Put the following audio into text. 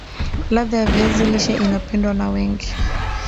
ladha ya viazi lishe inapendwa na wengi